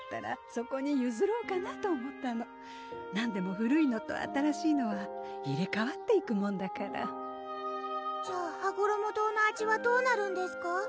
そこにゆずろうかなと思ったの何でも古いのと新しいのは入れ代わっていくもんだからじゃあはごろも堂の味はどうなるんですか？